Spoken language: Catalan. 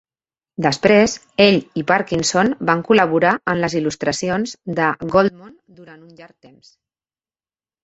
Després, ell i Parkinson van col·laborar en les il·lustracions de Goldmoon durant un llarg temps.